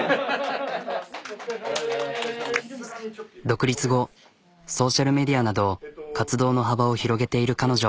独立後ソーシャルメディアなど活動の幅を広げている彼女。